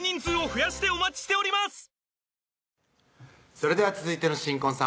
それでは続いての新婚さん